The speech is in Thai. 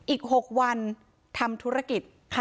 อีก๖วันทำธุรกิจ